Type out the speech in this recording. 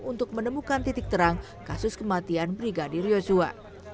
untuk menemukan titik terang kasus kematian brigadi ryosuwa